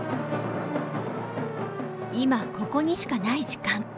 今ここにしかない時間。